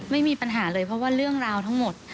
ไม่มีปัญหาเลยเพราะว่าเรื่องราวทั้งหมด